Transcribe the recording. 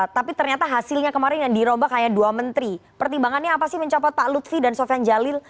tapi ternyata hasilnya kemarin yang dirombak hanya dua menteri pertimbangannya apa sih mencopot pak lutfi dan sofian jalil